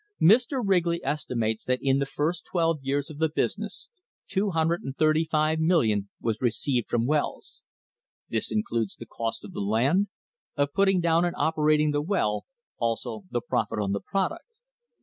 Mr. Wrigley estimates that in the first twelve years of the business $235,000,000 was received from wells. This includes the cost of the land, of putting down and oper ating the well, also the profit on the product.